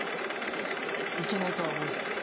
いけないとは思いつつ。